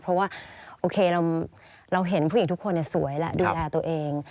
เพราะว่าโอเคเราเห็นผู้หญิงทุกคนสวยและดูแลตัวเอง